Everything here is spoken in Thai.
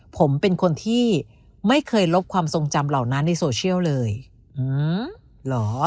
ผมเป็นคนที่ไม่เคยลบความทรงจำเหล่านั้นในโซเชียลเลยอืมเหรอ